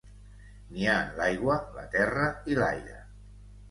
N'hi ha en l'aigua, la terra i l'aire.